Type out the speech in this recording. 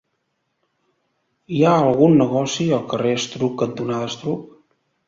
Hi ha algun negoci al carrer Estruc cantonada Estruc?